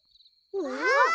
わあ！